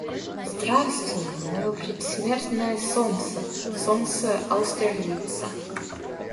Здравствуй, мое предсмертное солнце, солнце Аустерлица!